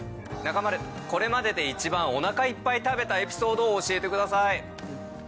中丸、これまでで一番おなかいっぱい食べたエピソードを教えてください。